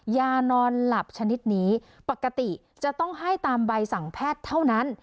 ยานอนหลับชนิดนี้ปกติจะต้องให้ตามใบสั่งแพทย์เท่านั้น